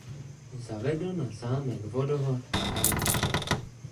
Zavedl na zámek vodovod a elektřinu.